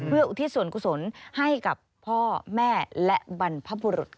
เพื่ออุทิศส่วนกุศลให้กับพ่อแม่และบรรพบุรุษ